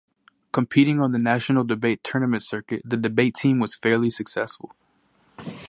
Competing on the National Debate Tournament circuit, the debate team was fairly successful.